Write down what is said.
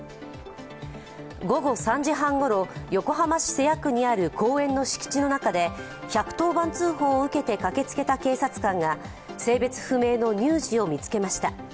午後３時半ごろ、横浜市瀬谷区にある公園の敷地の中で１１０番通報を受けて駆けつけた警察官が性別不明の乳児を見つけました。